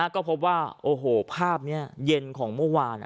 ก็พบว่าโอ้โหภาพนี้เย็นของเมื่อวาน